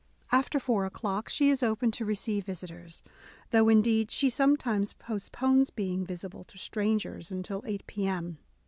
After four o'clock, she is open to receive visitors : though, indeed, she sometimes post pones being visible to strangers until 8 p.m.